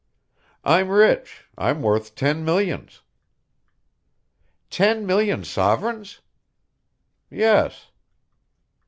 "I'm rich. I'm worth ten millions." "Ten million sovereigns?" "Yes."